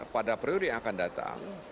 pada periode yang akan datang